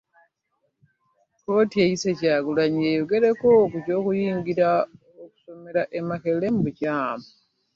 Kkooti eyise Kyagulanyi yeewozeeko ku ky'okungira okusomera e Makerere mu bukyamu.